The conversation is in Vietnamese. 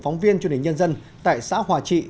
phóng viên truyền hình nhân dân tại xã hòa trị